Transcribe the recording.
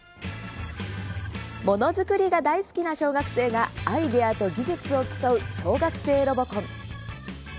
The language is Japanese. ものづくりが大好きな小学生がアイデアと技術を競う小学生ロボコン。